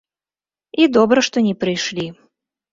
І добра што не прыйшлі.